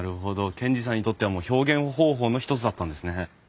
賢治さんにとってはもう表現方法の一つだったんですね。